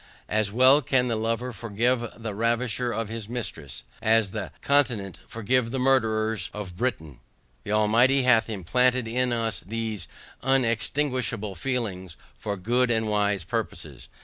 As well can the lover forgive the ravisher of his mistress, as the continent forgive the murders of Britain. The Almighty hath implanted in us these unextinguishable feelings for good and wise purposes.